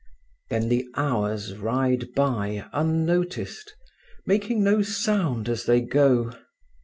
Then the hours ride by unnoticed, making no sound as they go.